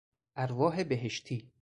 ارواح بهشتی